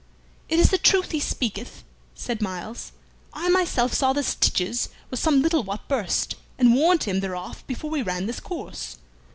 "It is the truth he speaketh," said Myles. "I myself saw the stitches were some little what burst, and warned him thereof before we ran this course.